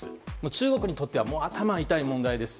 中国にとっては頭が痛い問題です。